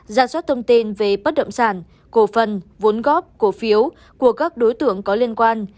giả soát thông tin về bất động sản cổ phần vốn góp cổ phiếu của các đối tượng có liên quan